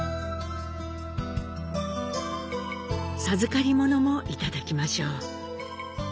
授かり物もいただきましょう。